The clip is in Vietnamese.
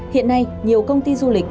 hiện nay nhiều công ty du lịch